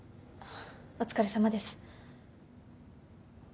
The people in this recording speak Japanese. お疲れさまです。